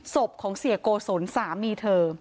ศพของเสียโกศลสามีเธอ